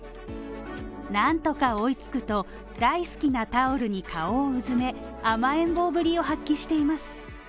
なんとか追いつくと、大好きなタオルに顔をうずめ、甘えん坊ぶりを発揮しています。